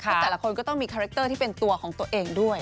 ซึ่งแต่ละคนก็ต้องมีคาแรคเตอร์ที่เป็นตัวของตัวเองด้วย